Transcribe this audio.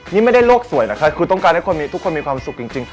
นี่ไม่ได้โลกสวยนะคะคือต้องการให้คนมีทุกคนมีความสุขจริง